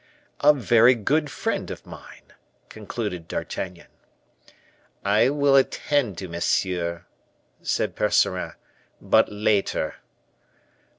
"A very good friend of mine," concluded D'Artagnan. "I will attend to monsieur," said Percerin, "but later."